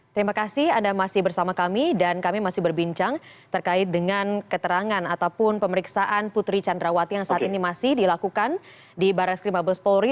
terima kasih anda masih bersama kami dan kami masih berbincang terkait dengan keterangan ataupun pemeriksaan putri candrawati yang saat ini masih dilakukan di barres krim abes polri